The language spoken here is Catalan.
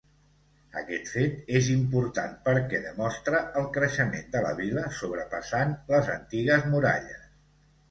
Aquest fet és important perquè demostra el creixement de la vila sobrepassant les antigues muralles.